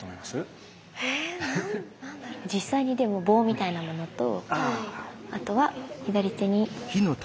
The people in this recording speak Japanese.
実際に棒みたいなものとあとは左手に。